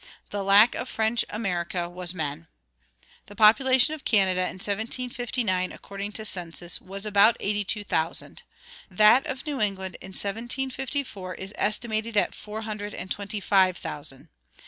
The lack of French America was men. The population of Canada in 1759, according to census, was about eighty two thousand;[27:2] that of New England in 1754 is estimated at four hundred and twenty five thousand.